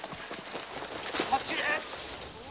走れ！